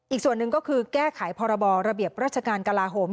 อีกส่วนหนึ่งก็คือแก้ไขพรบระเบียบราชการกลาโหม